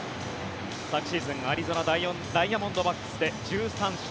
昨シーズン、アリゾナ・ダイヤモンドバックスで１３勝。